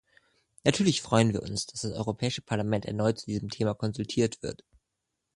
Natürlich freuen wir uns, dass das Europäische Parlament erneut zu diesem Thema konsultiert wird.